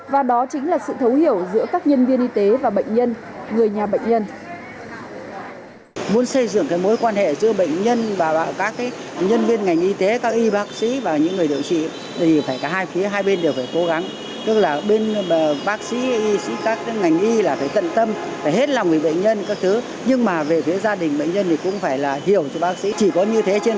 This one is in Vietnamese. và đó chính là sự thấu hiểu giữa các nhân viên y tế và bệnh nhân người nhà bệnh nhân